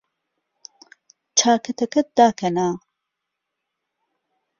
چاکەتەکەت داکەنە.